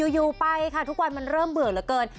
อยู่ไปค่ะทุกวันมันเริ่มเบื่อเหลือเกิน